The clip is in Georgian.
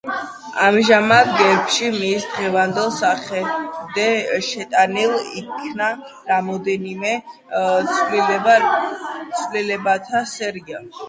ამჟამინდელ გერბში, მის დღევანდელ სახემდე, შეტანილ იქნა რამდენიმე ცვლილებათა სერია.